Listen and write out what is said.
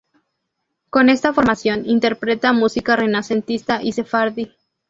Con esta formación interpreta música renacentista y sefardí.